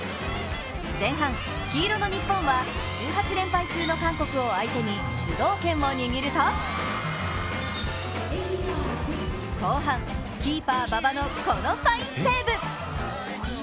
前半、黄色の日本は１８連敗中の韓国を相手に主導権を握ると後半、キーパー・馬場のこのファインセーブ。